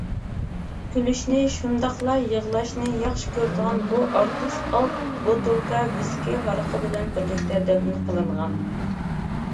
كۈلۈشنى، شۇنداقلا يىغلاشنى ياخشى كۆرىدىغان بۇ ئارتىس ئالتە بوتۇلكا ۋىسكى ھارىقى بىلەن بىرلىكتە دەپنە قىلىنغان.